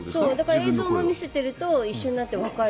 映像を見せてると一緒になってわかる。